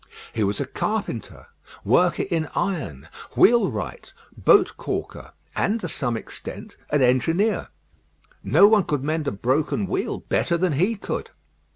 He was a carpenter, worker in iron, wheelwright, boat caulker, and, to some extent, an engineer. No one could mend a broken wheel better than he could.